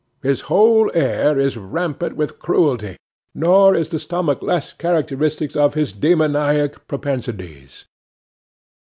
His whole air is rampant with cruelty, nor is the stomach less characteristic of his demoniac propensities.